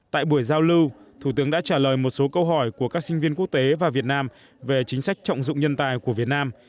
tại buổi giao lưu thủ tướng đã trả lời một số câu hỏi của các sinh viên quốc tế và việt nam về chính sách trọng dụng nhân tài của việt nam